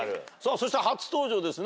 そして初登場ですね。